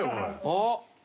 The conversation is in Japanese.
あっ！